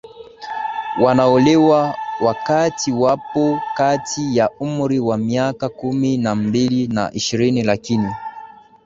wanaolewa wakati wapo kati ya umri wa miaka kumi na mbili na ishirini Lakini